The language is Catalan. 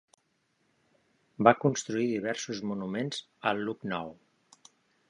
Va construir diversos monuments a Lucknow.